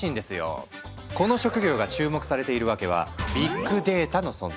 この職業が注目されているわけはビッグデータの存在。